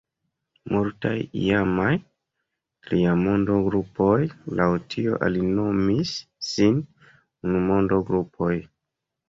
Multaj iamaj “Triamondo-grupoj” laŭ tio alinomis sin “Unumondo-grupoj”.